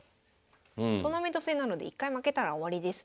トーナメント戦なので１回負けたら終わりですね。